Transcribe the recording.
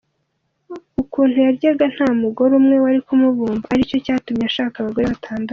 Ukuntu yaryaga nta mugore umwe wari kumubumba, ari cyo cyatumye ashaka abagore batandatu.